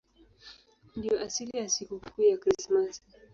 Ndiyo asili ya sikukuu ya Krismasi.